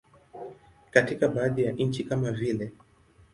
Katika baadhi ya nchi kama vile.